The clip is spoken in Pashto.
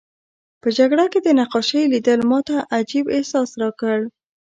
په جګړه کې د نقاشۍ لیدل ماته عجیب احساس راکړ